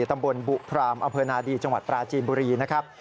ตำบลบุพรามอำเภอนาดีจังหวัดปราจีนบุรีนะครับ